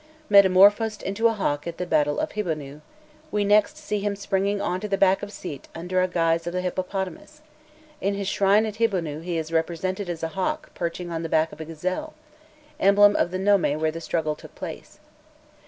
Metamorphosed into a hawk at the battle of Hibonû, we next see him springing on to the back of Sit under the guise of a hippopotamus; in his shrine at Hibonû he is represented as a hawk perching on the back of a gazelle, emblem of the nome where the struggle took place.